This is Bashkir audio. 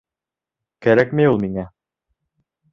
Кәрәкмәй ул миңә?